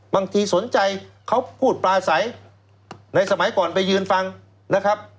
บางทีสนใจเขาพูดปลาใสในสมัยก่อนไปยืนฟังนะครับ